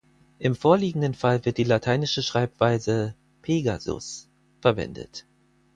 Im vorliegenden Fall wird die lateinische Schreibweise "Pegasus" verwendet.